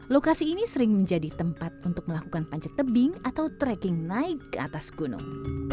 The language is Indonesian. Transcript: lokasi ini sering menjadi tempat untuk melakukan panjat tebing atau trekking naik ke atas gunung